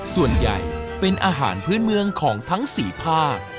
ส่วนใหญ่เป็นอาหารพื้นเมืองของทั้ง๔ภาค